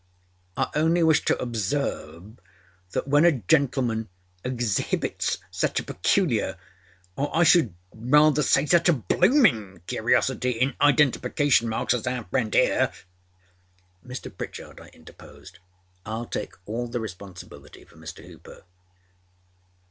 â âI only wish to observe that when a gentleman exhibits such a peculiar, or I should rather say, such a bloominâ curiosity in identification marks as our friend hereâââ âMr. Pritchard,â I interposed, âIâll take all the responsibility for Mr. Hooper.